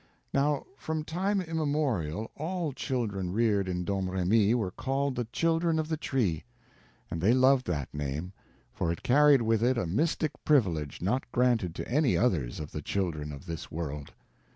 Now from time immemorial all children reared in Domremy were called the Children of the Tree; and they loved that name, for it carried with it a mystic privilege not granted to any others of the children of this world.